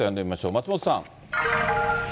松本さん。